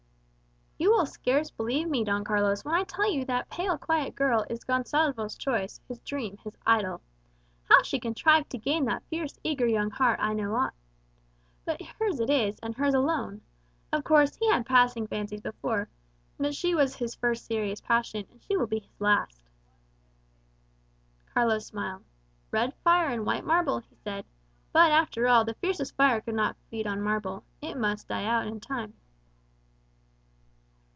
"You will scarce believe me, Don Carlos, when I tell you that pale, quiet girl is Gonsalvo's choice, his dream, his idol. How she contrived to gain that fierce, eager young heart, I know not but hers it is, and hers alone. Of course, he had passing fancies before; but she was his first serious passion, and she will be his last." Carlos smiled. "Red fire and white marble," he said. "But, after all, the fiercest fire could not feed on marble. It must die out, in time."